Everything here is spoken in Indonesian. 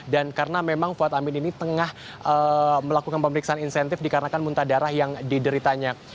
dan karena memang fuad amin ini tengah melakukan pemeriksaan insentif dikarenakan muntah darah yang dideritanya